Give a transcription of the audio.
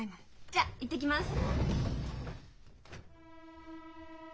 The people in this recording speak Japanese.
じゃあ行ってきます。